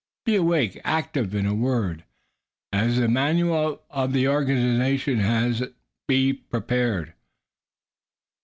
"Be awake, active" in a word, as the manual of the organization has it, "be prepared."